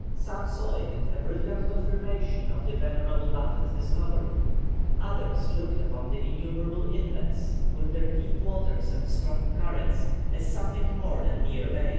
Some saw in it a brilliant confirmation of the venerable Baffin's discovery, others looked upon the innumerable inlets, with their deep waters and strong currents, as something more than mere bays.